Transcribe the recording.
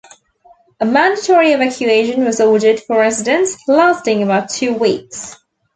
A mandatory evacuation was ordered for residents, lasting about two weeks.